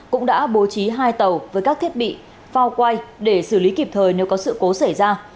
cũng đã bố trí hai tàu với các thiết bị phao quay để xử lý kịp thời nếu có sự cố xảy ra